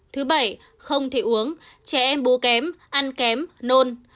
thứ bảy không thể uống trẻ em bố kém ăn kém nôn